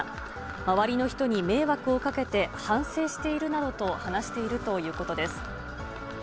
周りの人に迷惑をかけて、反省しているなどと話しているということです。